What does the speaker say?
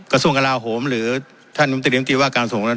กระทรวงกราวโหมหรือท่านนมติเรียมตีว่าการส่ง